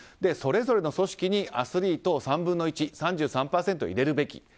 それぞれの組織にアスリートを３分の１、３３％入れるべき。